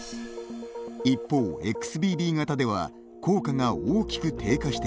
一方、ＸＢＢ型では効果が大きく低下していました。